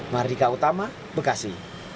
mardika utama bekasi